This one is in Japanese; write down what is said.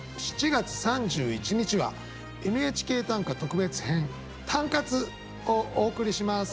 ７月３１日は「ＮＨＫ短歌」特別編「タンカツ」をお送りします。